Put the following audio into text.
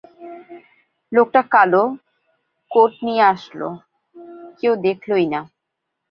লোকটা কালো, কোট নিয়া আসলো, কেউ দেখলোই না।